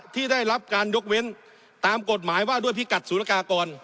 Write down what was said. ที่ได้รับการยกเว้นตามกฎหมายว่าด้วยพิกัดศูนยากากร